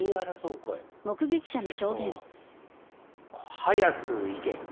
「早く行け」